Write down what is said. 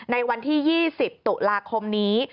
ในวันที่๒๐ตุลาคมนี้